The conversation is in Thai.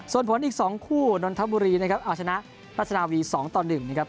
ส่วนผลอีกสองคู่นนทะบุรีนะครับเอาชนะราชนาวีสองต่อหนึ่งนะครับ